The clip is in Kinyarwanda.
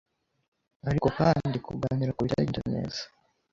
ariko kandi kuganira ku bitagenda neza